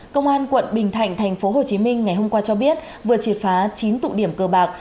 công an quận bình thạnh tp hcm ngày hôm qua cho biết vừa triệt phá chín tụ điểm cờ bạc